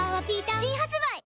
新発売